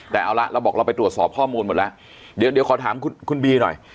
แต่เอาละเราบอกเราไปตรวจสอบข้อมูลหมดแล้วเดี๋ยวขอถามคุณบีหน่อย